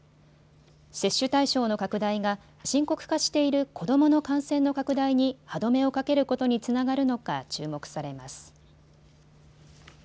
接種対象の拡大が深刻化している子どもの感染の拡大に歯止めをかけることにつながるのか注目されます。